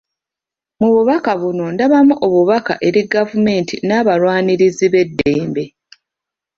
Mu bubaka buno ndabamu obubaka eri Gavumenti n'abalwanirizi b'eddembe